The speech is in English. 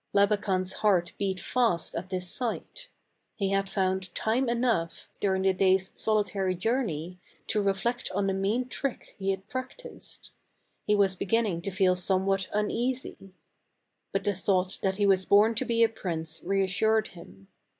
Labakan's heart beat fast at this sight; he had found time enough, during the day's solitary journey, to reflect on the mean trick he had practiced ; he was begin ning to feel somewhat uneasy. But the thought that he was born to be a prince reassured him.